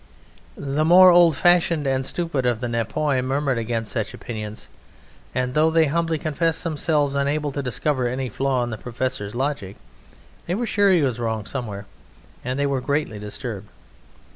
The more old fashioned and stupid of the Nepioi murmured against such opinions, and though they humbly confessed themselves unable to discover any flaw in the professor's logic, they were sure he was wrong somewhere and they were greatly disturbed.